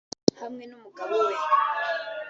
Hamwe n’umugabo we